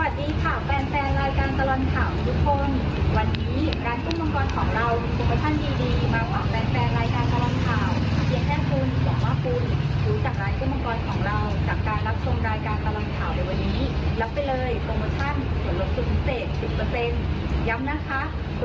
ย้ำนะคะโปรดีโปรเด็ดแบบนี้หมดเข็นวันที่๓๑ธันวาคม๒๐๒๕อย่าลืมมาอุ่นกันเยอะนะคะ